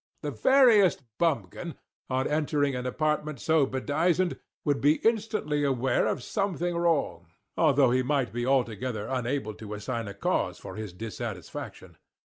The veriest bumpkin, on entering an apartment so bedizzened, would be instantly aware of something wrong, although he might be altogether unable to assign a cause for his dissatisfaction.